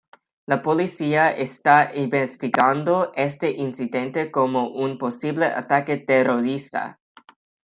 La policía está investigando este incidente como un posible ataque terrorista.